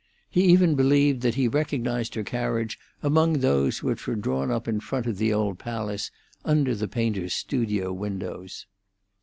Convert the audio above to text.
He even believed that he recognised her carriage among those which were drawn up in front of the old palace, under the painter's studio windows.